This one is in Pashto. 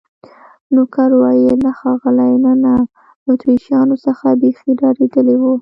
نوکر وویل: نه ښاغلي، نه، نه، له اتریشیانو څخه بیخي ډارېدلی و.